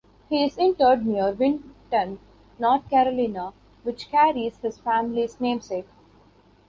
He is interred near Winton, North Carolina, which carries his family's namesake.